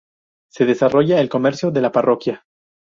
Se desarrolla el comercio de la parroquia.